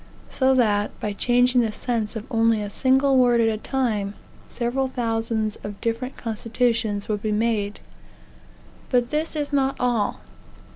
So that, by changing the sense of only a single word at a time, several thousands of different constitutions would be made. But this is not all.